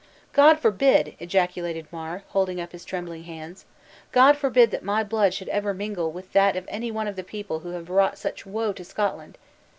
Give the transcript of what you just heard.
"God forbid!" ejaculated Mar, holding up his trembling hands; "God forbid that my blood should ever mingle with that of any one of the people who have wrought such woe to Scotland!